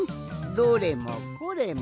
どれもこれもあり！